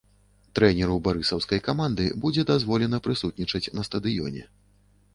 Трэнеру барысаўскай каманды будзе дазволена прысутнічаць на стадыёне.